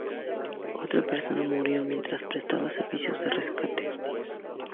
Otra persona murió mientras prestaba servicios de rescate.